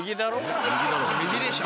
右でしょ。